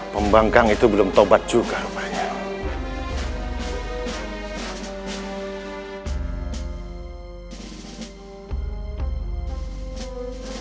pembangkang itu belum tobat juga banyak